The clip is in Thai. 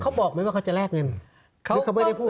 เขาบอกไหมว่าเขาจะแลกเงินหรือเขาไม่ได้พูด